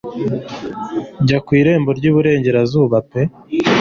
Jya ku irembo ry'iburengerazuba pe